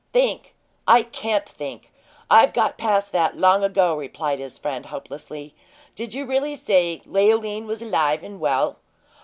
"Think! I can't think I've got past that long ago!" replied his friend, hopelessly. "Did you really say Leoline was alive and well?"